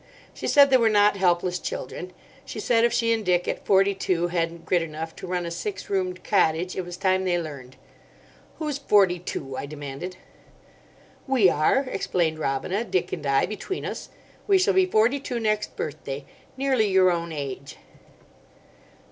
She said they were not helpless children. She said if she and Dick at forty two hadn't grit enough to run a six roomed cottage it was time they learned. "Who's forty two?" I demanded. "We are," explained Robina, "Dick and I—between us. We shall be forty two next birthday. Nearly your own age."